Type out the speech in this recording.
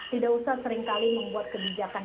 tidak usah seringkali membuat kebijakan